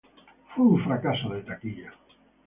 Fue un fracaso de taquilla.